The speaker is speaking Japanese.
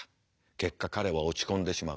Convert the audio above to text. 結果彼は落ち込んでしまう。